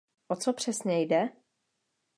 O co přesně jde?